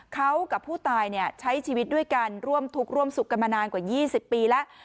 เขากับผู้ตายใช้ชีวิตด้วยกันร่วมทุกข์ร่วมสุขกันมานานกว่า๒๐ปีแล้ว